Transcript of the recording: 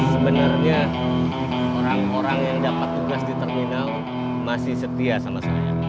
sebenarnya orang orang yang dapat tugas di terminal masih setia sama saya